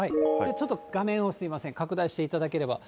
ちょっと画面をすみません、拡大していただければ。